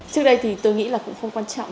trước đây thì tôi nghĩ là cũng không quan trọng